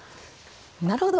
なるほど。